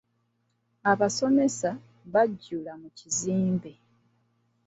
Abasomesa bajjula mu kizimbe.